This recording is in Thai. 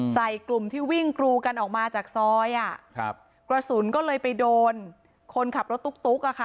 ใส่กลุ่มที่วิ่งกรูกันออกมาจากซอยอ่ะครับกระสุนก็เลยไปโดนคนขับรถตุ๊กอะค่ะ